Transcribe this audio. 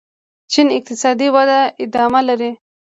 چین اقتصادي وده ادامه لري.